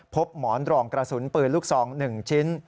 พบหมอนรองกระสุนปืนลูกซอง๑ชิ้น